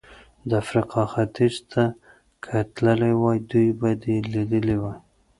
د افریقا ختیځ ته که تللی وای، دوی به دې لیدلي وای.